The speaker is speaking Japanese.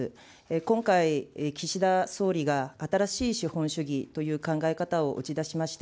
今回、岸田総理が新しい資本主義という考え方を打ち出しました。